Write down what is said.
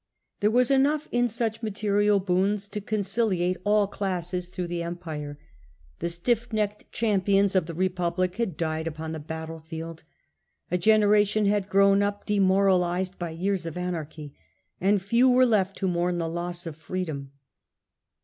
There was enough in such material boons to conciliate all classes through the Empire. The stiff necked cham Readyac pioiis of the Republic had died upon the battle field ; a generation had grown up de changes. moralised by years of anarchy, and few were left to mourn the loss of freedom.